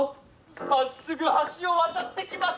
まっすぐ橋を渡ってきます！